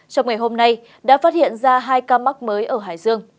trong ngày hôm nay đã phát hiện ra hai ca mắc mới ở hải dương